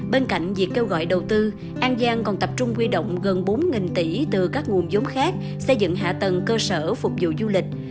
bên cạnh việc kêu gọi đầu tư an giang còn tập trung quy động gần bốn tỷ từ các nguồn giống khác xây dựng hạ tầng cơ sở phục vụ du lịch